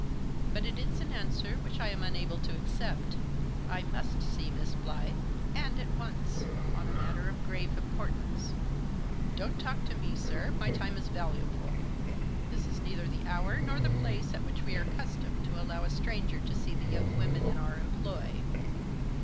" But that is an answer which I am unable to accept. I must see Miss Blyth, and at once, on a matter of grave importance." " Don't talk to me, sir ; my time is valuable. This is neither the hour nor the place at which we are accustomed to allow a stranger to see the young women^ in^our employ.